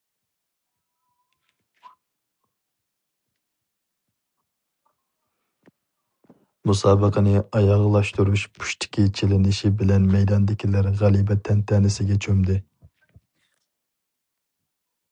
مۇسابىقىنى ئاياغلاشتۇرۇش پۇشتىكى چېلىنىشى بىلەن مەيداندىكىلەر غەلىبە تەنتەنىسىگە چۆمدى.